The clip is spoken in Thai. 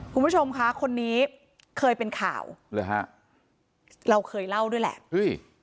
คุณผู้ชมคะคนนี้เคยเป็นข่าวหรือฮะเราเคยเล่าด้วยแหละเฮ้ย